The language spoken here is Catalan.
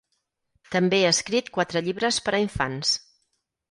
També ha escrit quatre llibres per a infants.